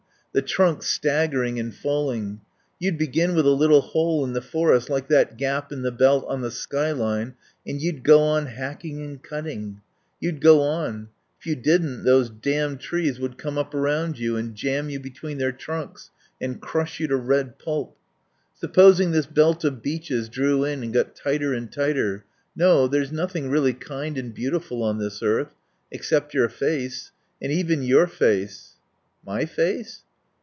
The trunks staggering and falling. You'd begin with a little hole in the forest like that gap in the belt on the sky line, and you'd go on hacking and cutting. You'd go on.... If you didn't those damned trees would come up round you and jam you between their trunks and crush you to red pulp.... Supposing this belt of beeches drew in and got tighter and tighter No. There's nothing really kind and beautiful on this earth. Except your face. And even your face " "My face?